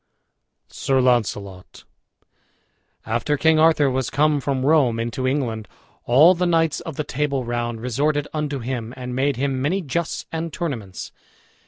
SIR LAUNCELOT After King Arthur was come from Rome into England all the knights of the Table Round resorted unto him and made him many justs and tournaments.